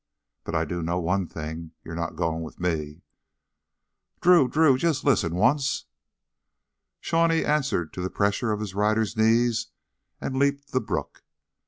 "But I do know one thing you're not goin' with me." "Drew Drew, just listen once...." Shawnee answered to the pressure of his rider's knees and leaped the brook.